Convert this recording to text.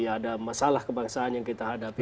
ada masalah kebangsaan yang kita hadapi